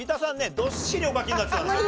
どっしりお書きになってたんですよ。